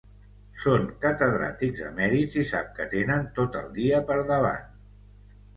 Són catedràtics emèrits i sap que tenen tot el dia per davant.